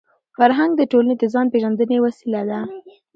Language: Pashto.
فرهنګ د ټولني د ځان پېژندني وسیله ده.